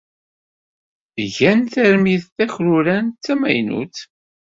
Gan tarmit takrurant d tamaynut.